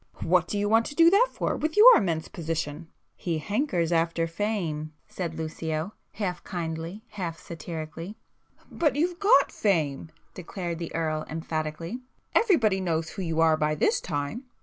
"What do you want to do that for, with your immense position?" [p 140]"He hankers after fame!" said Lucio half kindly, half satirically. "But you've got fame!" declared the Earl emphatically—"Everybody knows who you are by this time."